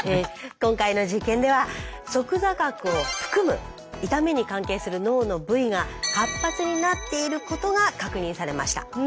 今回の実験では側坐核を含む痛みに関係する脳の部位が活発になっていることが確認されました。